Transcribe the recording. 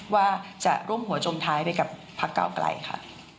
ว่าจะร่วมหัวจมท้ายไปกับพักเก้าไกลค่ะ